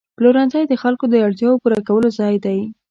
پلورنځی د خلکو د اړتیاوو پوره کولو ځای دی.